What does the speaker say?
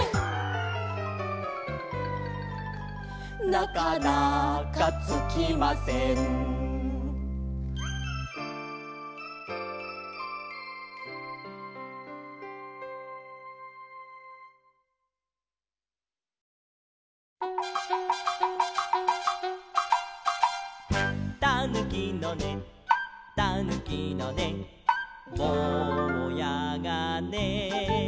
「なかなかつきません」「たぬきのねたぬきのねぼうやがね」